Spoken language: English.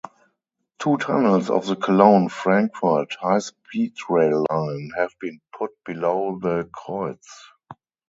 Two tunnels of the Cologne-Frankfurt high-speed rail line have been put below the Kreuz.